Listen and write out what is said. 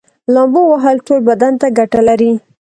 لامبو وهل ټول بدن ته ګټه لري